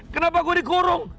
kenapa gua dikurung